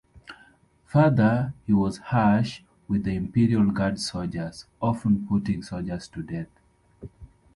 Further, he was harsh with the imperial guard soldiers, often putting soldiers to death.